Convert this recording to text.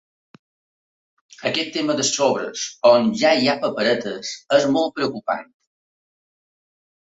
Aquest tema dels sobres on ja hi ha paperetes és molt preocupant.